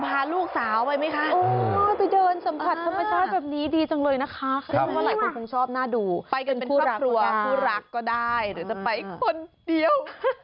ไปกันเป็นครับครัวคู่รักก็ได้หรือจะไปคนเดียว